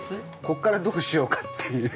ここからどうしようかっていう。